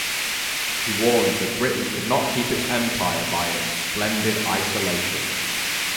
He warned that Britain could not keep its Empire by its "splendid isolation".